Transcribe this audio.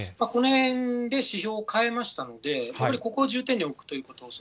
この辺で、指標を変えましたので、やっぱりここを重点に置くということ。